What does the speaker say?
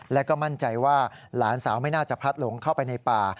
และก็มั่นใจว่าหลานสาวไม่น่าจะพัดหลงเข้าไปในป่า